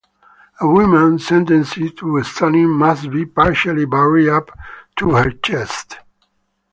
A woman sentenced to stoning must be partially buried up to her chest.